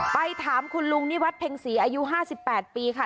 ไปถามคุณลุงนิวัฒนเพ็งศรีอายุ๕๘ปีค่ะ